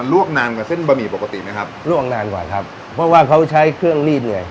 วกนานกว่าเส้นบะหมี่ปกติไหมครับลวกนานกว่าครับเพราะว่าเขาใช้เครื่องรีดเลย